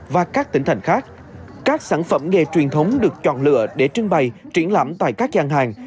và các tỉnh thành khác các sản phẩm nghề truyền thống được chọn lựa để trưng bày triển lãm tại các gian hàng